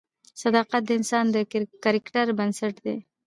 صداقت د انسان د کرکټر بنسټ دی.